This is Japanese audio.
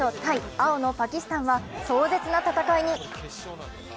青のパキスタンは壮絶な戦いに。